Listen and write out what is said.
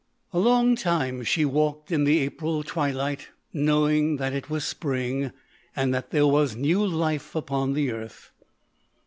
A long time she walked in the April twilight knowing that it was spring and that there was new life upon the earth.